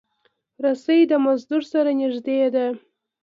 رسۍ د مزدور سره نږدې ده.